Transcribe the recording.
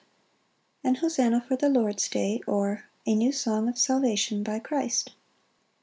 An hosanna for the Lord's day; or, A new song of salvation by Christ.